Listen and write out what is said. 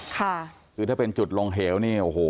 ค่ะคือถ้าเป็นจุดลงเหวนี่โอ้โห